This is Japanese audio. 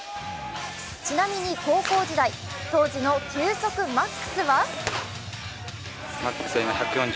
ちなみに高校時代、当時の球速ＭＡＸは？